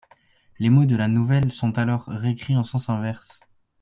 Les mots de la nouvelle sont alors réécris en sens inverse.